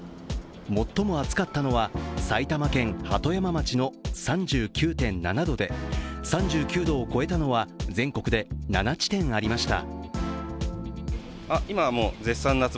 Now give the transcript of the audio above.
最も暑かったのは埼玉県鳩山町の３９．７度で、３９度を超えたのは全国で７地点ありました。